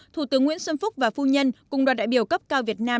thủ tướng nguyễn xuân phúc và phu nhân cùng đoàn đại biểu cấp cao việt nam